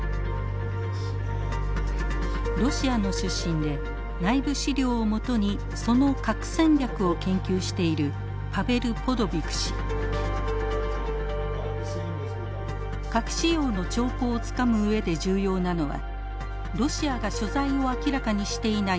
ロシアの出身で内部資料を基にその核戦略を研究している核使用の兆候をつかむ上で重要なのはロシアが所在を明らかにしていない